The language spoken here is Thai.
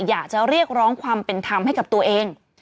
อยากจะเรียกร้องความเป็นธรรมให้กับตัวเอง